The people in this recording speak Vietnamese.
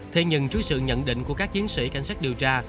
thế nhưng trước sự nhận định của các chiến sĩ cảnh sát điều tra